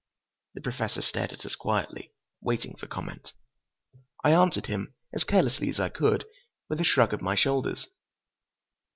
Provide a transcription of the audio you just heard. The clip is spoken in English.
The Professor stared at us quietly, waiting for comment. I answered him, as carelessly as I could, with a shrug of my shoulders.